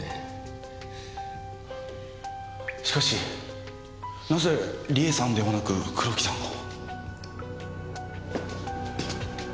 しかしなぜ梨絵さんではなく黒木さんが？